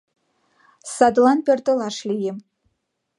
Садлан пӧртылаш лийым...»